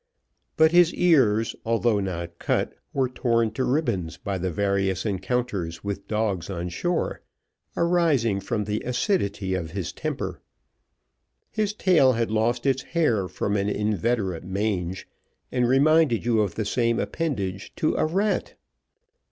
But his ears, although not cut, were torn to ribbons by the various encounters with dogs on shore, arising from the acidity of his temper. His tail had lost its hair from an inveterate mange, and reminded you of the same appendage to a rat.